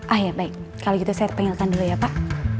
ah ya baik kalau gitu saya panggilkan dulu ya pak